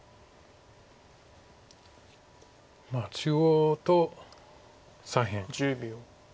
中央と左辺。